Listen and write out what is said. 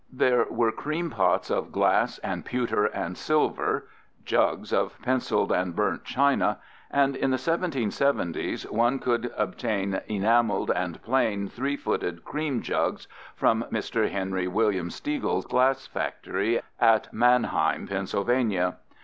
There were cream pots of glass and pewter and silver (figs. 19 and 20), jugs of penciled and burnt china, and in the 1770's one could obtain "enameled and plain three footed cream jugs" from Mr. Henry William Stiegel's glass factory at Manheim, Pennsylvania.